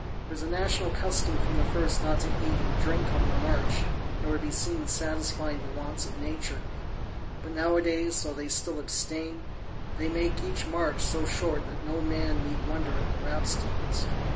It was a national custom from the first not to eat and drink on the march nor be seen satisfying the wants of nature, but nowadays, though they still abstain, they make each march so short that no man need wonder at their abstinence.